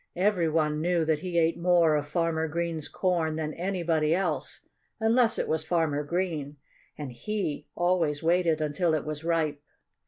Every one knew that he ate more of Farmer Green's corn than anybody else unless it was Farmer Green. And he always waited until it was ripe.